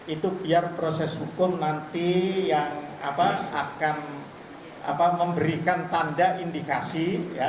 itu biar proses hukum nanti yang akan memberikan tanda indikasi